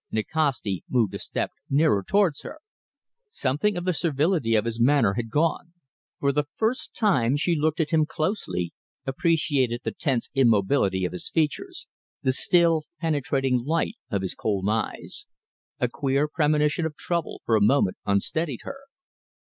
Nikasti moved a step nearer towards her. Something of the servility of his manner had gone. For the first time she looked at him closely, appreciated the tense immobility of his features, the still, penetrating light of his cold eyes. A queer premonition of trouble for a moment unsteadied her.